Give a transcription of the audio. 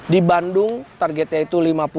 di bandung targetnya itu lima puluh